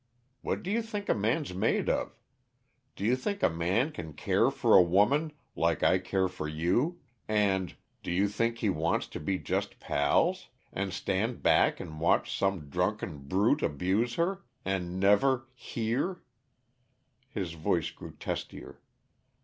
What do you think a man's made of? Do you think a man can care for a woman, like I care for you, and Do you think he wants to be just pals? And stand back and watch some drunken brute abuse her and never Here!" His voice grew testier.